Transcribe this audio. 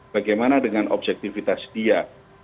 bagaimana dengan objektivitas dia